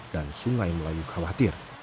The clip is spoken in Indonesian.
dan sungai melayu khawatir